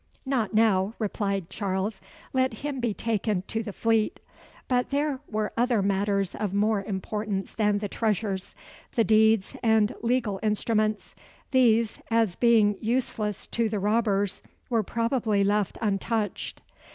"Not now," replied Charles. "Let him be taken to the Fleet. But there were other matters of more importance than the treasures the deeds and legal instruments. These, as being useless to the robbers, were probably left untouched."